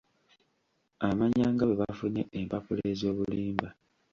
Amanya nga bwe bafunye empapula ez'obulimba.